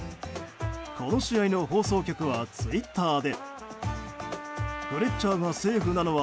この試合の放送局はツイッターで。